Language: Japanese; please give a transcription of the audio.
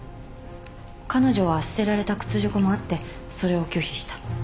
彼女は捨てられた屈辱もあってそれを拒否した。